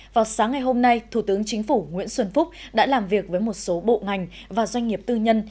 vào sáng ngày hôm nay thủ tướng chính phủ nguyễn xuân phúc đã làm việc với một số bộ ngành và doanh nghiệp tư nhân